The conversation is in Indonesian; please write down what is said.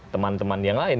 teman teman yang lain